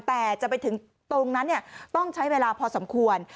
แต่จะไปถึงตรงนั้นต้องใช้เวลาพอสมควร